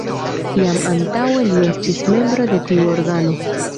Jam antaŭe li estis membro de tiu organo.